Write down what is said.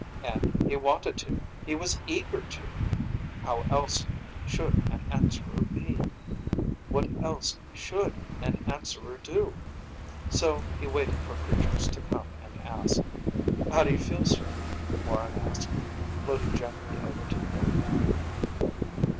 And he wanted to! He was eager to! How else should an Answerer be? What else should an Answerer do? So he waited for creatures to come and ask. "How do you feel, sir?" Morran asked, floating gently over to the old man.